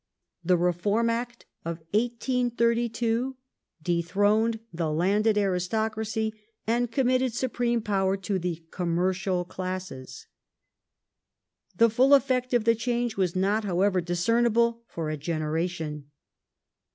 The Reform Act of 1882 de throned the landed aristocracy and committed supreme power to the commercial classes. The full effect of the change was not, however, discernible for a generation.